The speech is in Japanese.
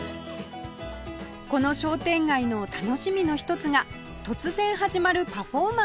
この商店街の楽しみの一つが突然始まるパフォーマンスです